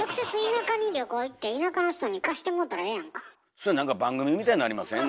それ何か番組みたいになりません？